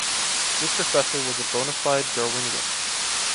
This professor was a bona fide Darwinian.